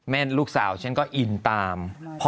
ลูกสาวฉันก็อินตาม